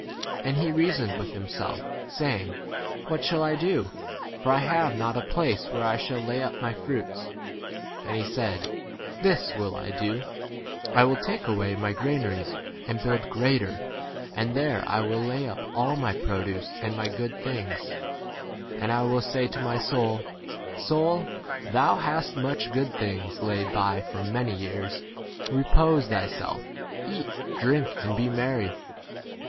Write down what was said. And he reasoned within himself, say ing, What shall I do ? for I have not [a place] where I shall lay up w my fruits. And he said, This will I do : I will take away my grana ries and build greater, and there I will lay up all my produce and 19 my good things ; and I will say to my soul, Soul, thou hast much good things laid by for many years ; repose thyself, eat, drink, 20 and be merry.